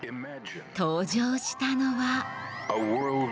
登場したのは。